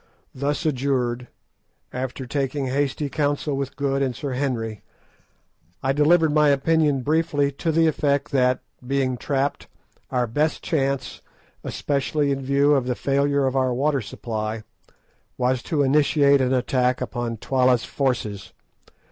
Thus adjured, after taking hasty counsel with Good and Sir Henry, I delivered my opinion briefly to the effect that, being trapped, our best chance, especially in view of the failure of our water supply, was to initiate an attack upon Twala's forces.